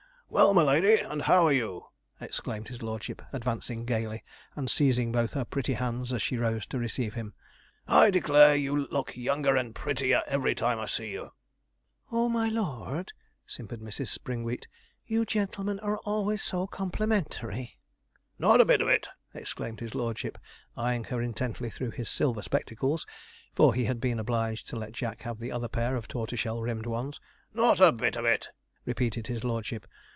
'Well, my lady, and how are you?' exclaimed his lordship, advancing gaily, and seizing both her pretty hands as she rose to receive him. 'I declare, you look younger and prettier every time I see you.' 'Oh! my lord,' simpered Mrs. Springwheat, 'you gentlemen are always so complimentary.' 'Not a bit of it!' exclaimed his lordship, eyeing her intently through his silver spectacles, for he had been obliged to let Jack have the other pair of tortoiseshell rimmed ones. 'Not a bit of it,' repeated his lordship.